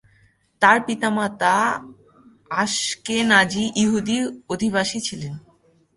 তার পিতামাতা আশকেনাজি ইহুদি অভিবাসী ছিলেন।